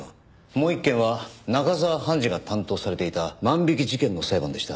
もう一件は中澤判事が担当されていた万引き事件の裁判でした。